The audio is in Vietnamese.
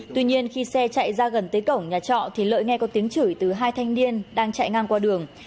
tuy nhiên khi xe chạy ra gần tới cổng nhà trọ thì lợi nghe có tiếng chửi từ hai thanh niên đang chạy ngang qua đường